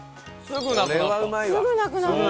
すぐなくなった！